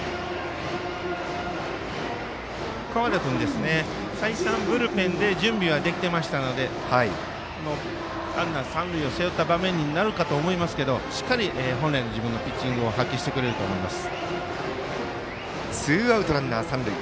川田君、再三ブルペンで準備はできていましたのでランナー三塁を背負った場面になるかと思いますけどしっかり本来の自分のピッチングを発揮してくれると思います。